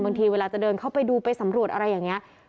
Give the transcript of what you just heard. เวลาจะเดินเข้าไปดูไปสำรวจอะไรอย่างนี้